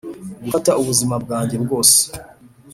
gufata ubuzima bwanjye bwose.